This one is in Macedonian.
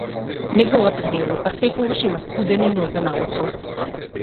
Неговата девојка секогаш има студени нозе наутро.